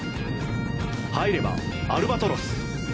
入ればアルバトロス。